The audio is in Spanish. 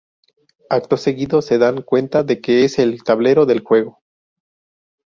Acto seguido se dan cuenta de que es el tablero del juego.